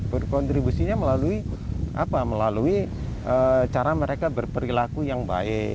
berkontribusinya melalui cara mereka berperilaku yang baik